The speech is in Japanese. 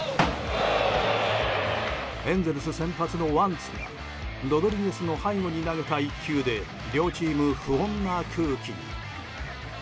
エンゼルス先発のワンツがロドリゲスの背後に投げた１球で両チーム、不穏な空気に。